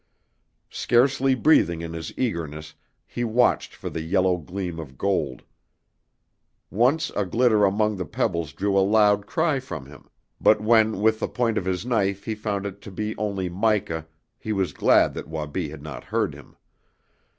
Scarcely breathing in his eagerness he watched for the yellow gleam of gold. Once a glitter among the pebbles drew a low cry from him, but when with the point of his knife he found it to be only mica he was glad that Wabi had not heard him.